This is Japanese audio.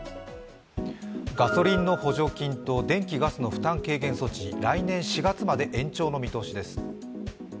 ガソリンの補助金と電気・ガスの負担軽減措置、来年４月まで延長の見通しです。